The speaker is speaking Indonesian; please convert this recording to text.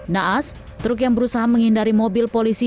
naas truk yang berusaha menghindari mobil polisi